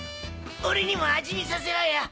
俺にも味見させろよ！